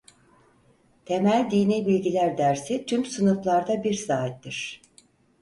Temel Dini Bilgiler dersi tüm sınıflarda bir saattir.